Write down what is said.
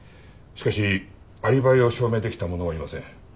しかしアリバイを証明できた者はいません。